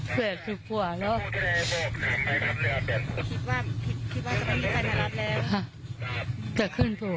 เกิดมาไม่คิดว่าจะเจอกับน้ำท่วมแบบนี้ค่ะ